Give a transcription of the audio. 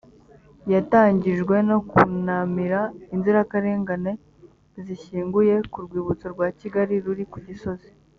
yatangijwe no kunamira inzirakarengane zishyinguye ku rwibutso rwa kigali ruri ku gisozi